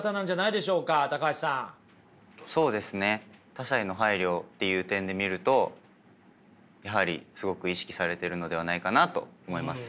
他者への配慮っていう点で見るとやはりすごく意識されてるのではないかなと思います。